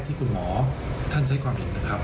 ที่ถึงมอใช้ความผิดนะครับ